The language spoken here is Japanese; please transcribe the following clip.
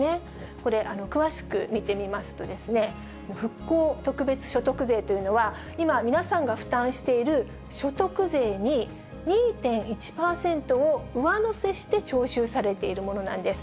これ、詳しく見てみますと、復興特別所得税というのは、今、皆さんが負担している所得税に、２．１％を上乗せして徴収されているものなんです。